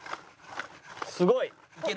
すごい！